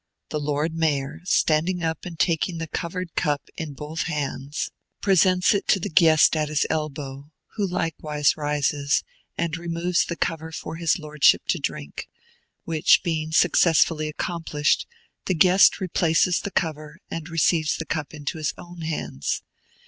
The Lord Mayor, standing up and taking the covered cup in both hands, presents it to the guest at his elbow, who likewise rises, and removes the cover for his Lordship to drink, which being successfully accomplished, the guest replaces the cover and receives the cup into his own hands.